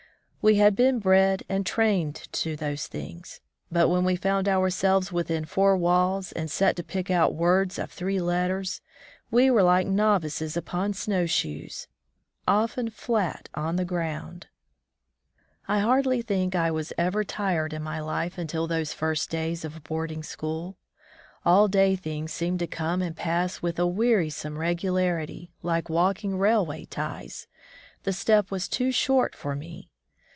We had been bred and trained to those things; but when we found ourselves within foiu* walls and set to pick out words of three letters we were like novices upon snow shoes — often flat on the ground. I hardly think I was ever tired in my life until those first days of boarding school. All day things seemed to come and pass with a wearisome regularity, like walking railway ties — the step was too short for me.